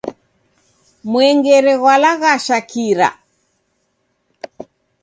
Mwengere ghwalaghasha kira